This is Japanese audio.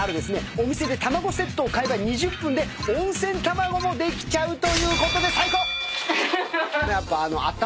お店で卵セットを買えば２０分で温泉卵もできちゃうということで最高。